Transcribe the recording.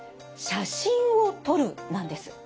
「写真を撮る」なんです。